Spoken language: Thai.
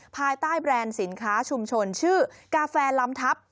ภายใต้แบรนด์สินค้าชุมชนชื่อกาแฟลำทัพ